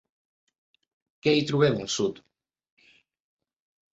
Què hi trobem al sud?